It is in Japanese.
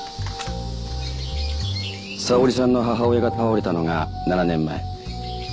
沙織さんの母親が倒れたのが７年前。